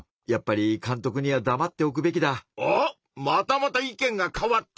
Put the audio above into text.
またまた意見が変わった！